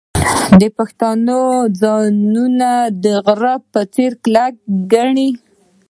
پښتون ځان د غره په څیر کلک ګڼي.